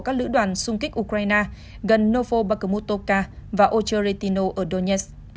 từ đoàn xung kích ukraine gần novo bakhmutovka và ocheretino ở donetsk